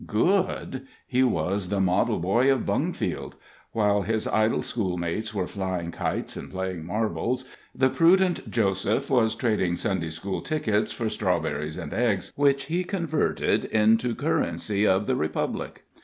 Good? He was the model boy of Bungfield. While his idle school mates were flying kites and playing marbles, the prudent Joseph was trading Sunday school tickets for strawberries and eggs, which he converted into currency of the republic.